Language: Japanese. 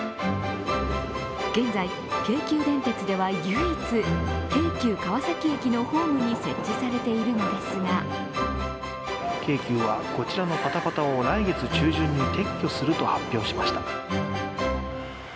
現在、京急電鉄では唯一、京急川崎駅のホームに設置されているのですが京急はこちらのパタパタを来月中旬に撤去すると発表しました。